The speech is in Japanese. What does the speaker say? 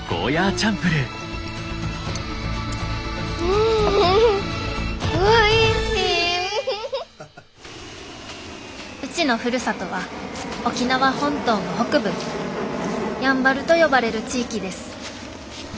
うちのふるさとは沖縄本島の北部やんばると呼ばれる地域です。